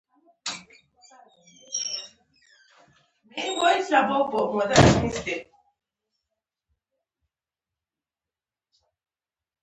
د کمپیوټرونو مخې ته خلک کتار ولاړ وو.